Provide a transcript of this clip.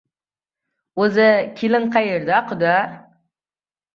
O‘zi, kelin qayerda, quda?